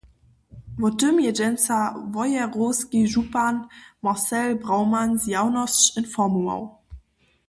Wo tym je dźensa Wojerowski župan Marcel Brauman zjawnosć informował.